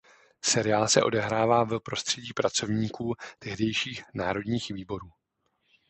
Seriál se odehrává v prostředí pracovníků tehdejších Národních výborů.